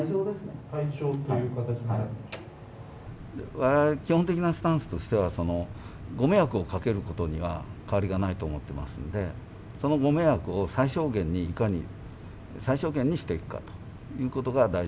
我々基本的なスタンスとしてはご迷惑をかけることには変わりがないと思ってますのでそのご迷惑を最小限にいかに最小限にしていくかということが大事だと。